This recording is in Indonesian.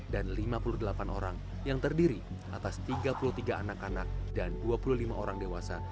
dan lima puluh delapan orang yang terdiri atas tiga puluh tiga anak anak dan dua puluh lima orang dewasa